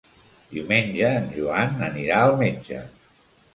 Diumenge en Joan anirà al metge.